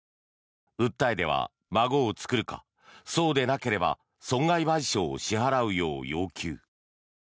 訴えでは孫を作るかそうでなければ損害賠償を支払うよう要求。